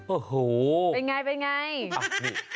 โอ้โหเป็นไง